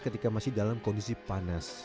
ketika masih dalam kondisi panas